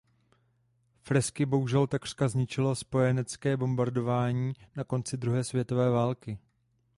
Fresky bohužel takřka zničilo spojenecké bombardování na konci druhé světové války.